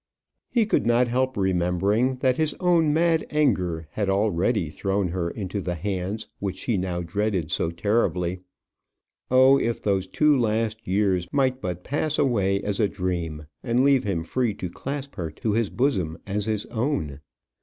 He could not help remembering that his own mad anger had already thrown her into the hands which she now dreaded so terribly. Oh, if those two last years might but pass away as a dream, and leave him free to clasp her to his bosom as his own!